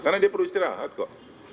karena dia perlu istirahat kok